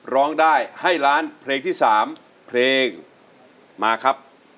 ร้องได้ให้ล้านเพลงที่๓เพลงมาครับ